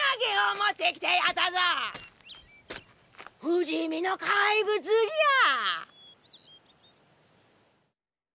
不死身の怪物じゃ。